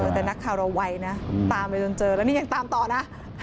แต่นักข่าวเราไวนะตามไปจนเจอแล้วนี่ยังตามต่อนะ